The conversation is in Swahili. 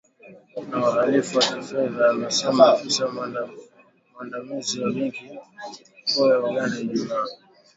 Na uhalifu wa kifedha amesema afisa mwandamizi wa benki kuu ya Uganda, Ijumaa.